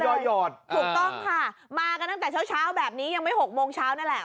ถูกต้องค่ะมากันตั้งแต่เช้าแบบนี้ยังไม่๖โมงเช้านั่นแหละ